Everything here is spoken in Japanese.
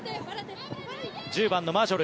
１０番のマジョル。